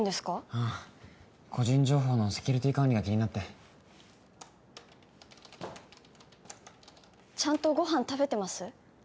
うん個人情報のセキュリティー管理が気になってちゃんとご飯食べてます？